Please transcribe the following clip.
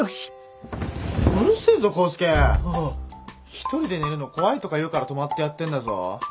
一人で寝るの怖いとか言うから泊まってやってんだぞ。